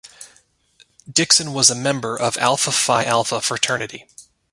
Dixon was a member of Alpha Phi Alpha fraternity.